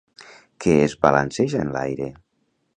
Què es balanceja en l'aire?